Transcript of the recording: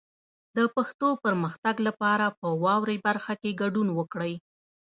د پښتو پرمختګ لپاره په واورئ برخه کې ګډون وکړئ.